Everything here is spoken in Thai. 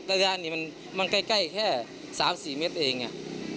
ระยะนี้มันใกล้แค่๓๔เมตรเอง